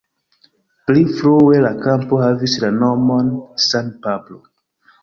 Pli frue la kampo havis la nomon "San Pablo".